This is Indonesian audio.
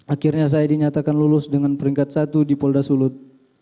akhirnya saya dinyatakan lulus dengan peringkat satu di polda sulut